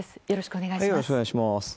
よろしくお願いします。